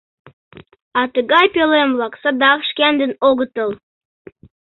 А тыгай пӧлем-влак садак шкендын огытыл.